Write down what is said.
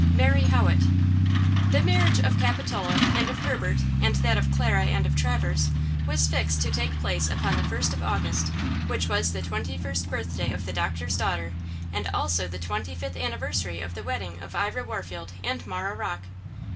–MARY HOWITT. THE marriage of Capitola and of Herbert and that of Clara and of Traverse was fixed to take place upon the first of August, which was the twenty first birthday of the doctor's daughter, and also the twenty fifth anniversary of the wedding of Ira Warfield and Marah Rocke.